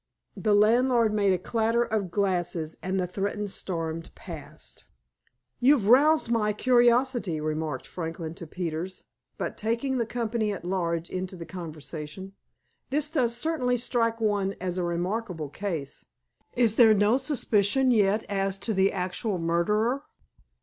The landlord made a clatter of glasses, and the threatened storm passed. "You've aroused my curiosity," remarked Franklin to Peters, but taking the company at large into the conversation. "This does certainly strike one as a remarkable case. Is there no suspicion yet as to the actual murderer?"